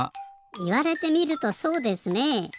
いわれてみるとそうですねえ。